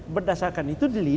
berdasarkan itu dilidih